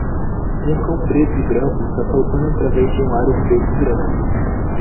Um cão preto e branco está saltando através de um aro preto e branco.